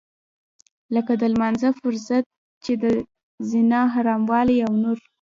لکه د لمانځه فرضيت د زنا حراموالی او نور.